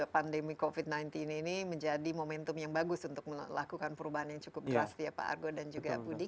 pandemi covid sembilan belas ini menjadi momentum yang bagus untuk melakukan perubahan yang cukup drastis ya pak argo dan juga budi